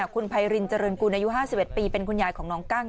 คุณไพรินเจริญกุลอายุ๕๑ปีเป็นคุณยายของน้องกั้ง